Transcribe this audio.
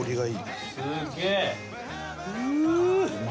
すげえ！